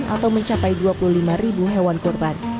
atau mencapai dua puluh lima ribu hewan kurban